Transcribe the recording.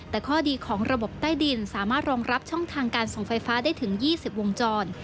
แต่ข้อดีของระบบใต้ดินสามารถรองรับช่องทางการส่งไฟฟ้าได้ถึง๒๐วงจร